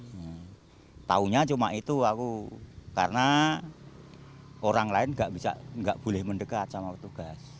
hmm taunya cuma itu aku karena orang lain nggak boleh mendekat sama petugas